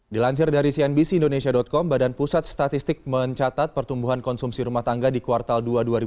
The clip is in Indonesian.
dilansir dari cnbc indonesia com badan pusat statistik mencatat pertumbuhan konsumsi rumah tangga di kuartal dua dua ribu dua puluh